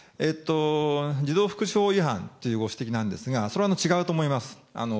児童福祉法違反というご指摘なんですが、それは違うと思います。